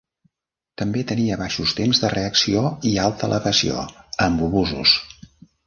També tenia baixos temps de reacció i alta elevació, amb obusos.